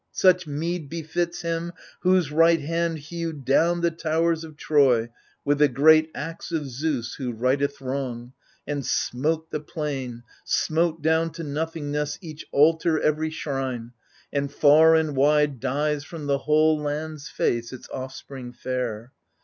such meed beflts Him whose right hand hewed down the towers of Troy With the great axe of Zeus who righteth wrong — And smote the plain, smote down to nothingness Each altar, every shrine ; and far and wide Dies from the whole land's face its offspring fair.